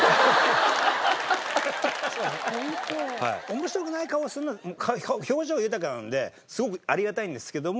面白くない顔をするのは表情豊かなんですごくありがたいんですけども。